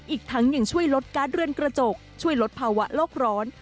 อีกทั้งยังช่วยลดการ์ดเรือนกระจกช่วยลดภาวะโลกร้อน